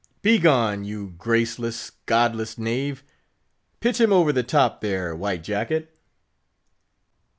Begone! you graceless, godless knave! pitch him over the top there, White Jacket!"